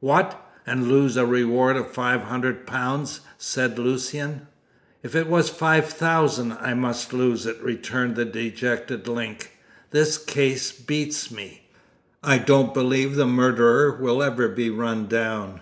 "What! and lose a reward of five hundred pounds!" said Lucian. "If it was five thousand, I must lose it," returned the dejected Link. "This case beats me. I don't believe the murderer will ever be run down."